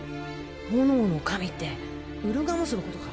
炎の神ってウルガモスのことか？